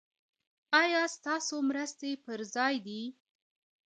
ایا ستاسو مرستې پر ځای دي؟